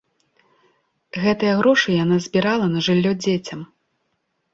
Гэтыя грошы яна збірала на жыллё дзецям.